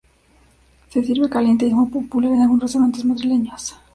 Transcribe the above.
Se sirve caliente y es muy popular en algunos restaurantes madrileños.